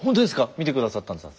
見て下さったんですか？